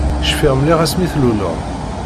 Cfiɣ mliḥ asmi tluleḍ.